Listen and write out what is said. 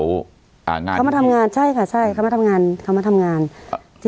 อ่างานเขามาทำงานใช่ค่ะใช่เขามาทำงานเขามาทำงานครับ